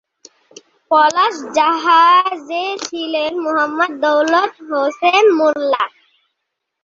পলাশ জাহাজে ছিলেন মোহাম্মদ দৌলত হোসেন মোল্লা।